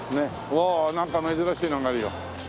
おおっなんか珍しいのがあるよ。